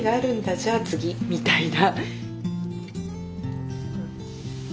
じゃあ次！みたいな。